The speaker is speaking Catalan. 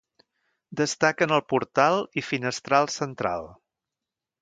Destaquen el portal i finestral central.